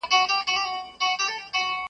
خوښي نسته واويلا ده تور ماتم دئ .